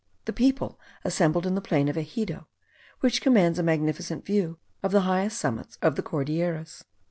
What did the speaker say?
The people assembled in the plain of Exido, which commands a magnificent view of the highest summits of the Cordilleras.